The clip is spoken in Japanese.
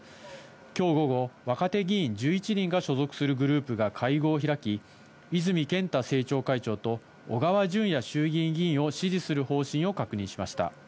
きょう午後、若手議員１１人が所属するグループが会合を開き、泉健太政調会長と、小川淳也衆議院議員を支持する方針を確認しました。